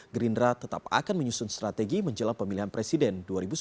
gerindra tetap akan menyusun strategi menjelang pemilihan presiden dua ribu sembilan belas